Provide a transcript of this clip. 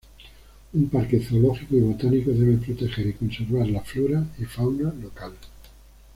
Un parque zoológico y botánico debe proteger y conservar la flora y fauna local.